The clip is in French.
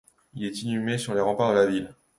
Il est inhumé sur les remparts de la ville.